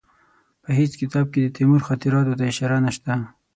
په هېڅ کتاب کې د تیمور خاطراتو ته اشاره نشته.